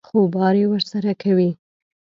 خوباري ورسره کوي.